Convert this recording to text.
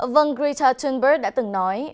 vâng greta thunberg đã từng nói